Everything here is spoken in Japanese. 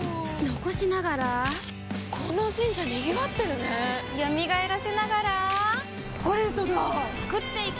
残しながらこの神社賑わってるね蘇らせながらコレドだ創っていく！